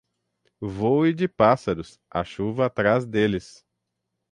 Voe de pássaros, a chuva atrás deles.